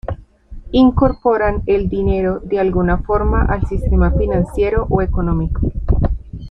Incorporan el dinero de alguna forma al sistema financiero o económico.